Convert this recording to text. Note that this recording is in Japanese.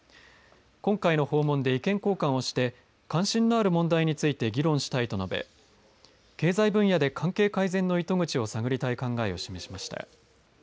今回の訪問で意見交換をして関心のある問題について議論したいと述べ経済分野で関係改善の糸口を探りたい考えを示しました。